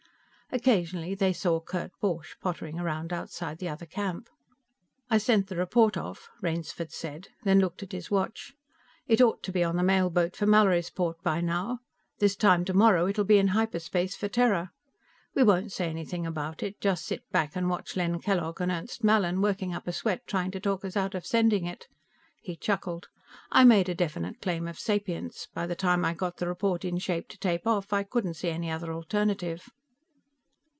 Occasionally they saw Kurt Borch pottering around outside the other camp. "I sent the report off," Rainsford said, then looked at his watch. "It ought to be on the mail boat for Mallorysport by now; this time tomorrow it'll be in hyperspace for Terra. We won't say anything about it; just sit back and watch Len Kellogg and Ernst Mallin working up a sweat trying to talk us out of sending it." He chuckled. "I made a definite claim of sapience; by the time I got the report in shape to tape off, I couldn't see any other alternative."